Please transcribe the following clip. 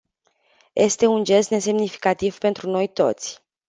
Este un gest nesemnificativ pentru noi toți.